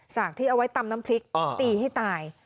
กที่เอาไว้ตำน้ำพริกตีให้ตาย